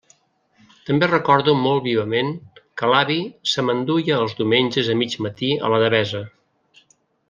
També recordo molt vivament que l'avi se m'enduia els diumenges a mig matí a la Devesa.